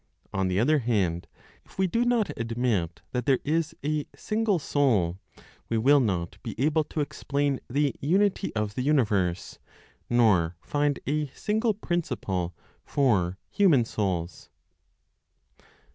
On the other hand, if we do not admit that there is a single Soul, we will not be able to explain the unity of the universe, nor find a single principle for (human) souls.